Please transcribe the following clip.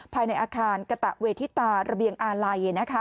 ภายในอาคารกะตะเวทิตาระเบียงอาลัย